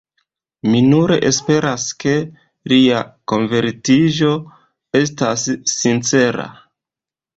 Mi nur esperas, ke lia konvertiĝo estas sincera.